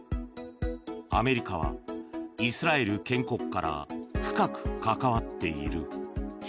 アメリカはイスラエル建国から深く関わっている。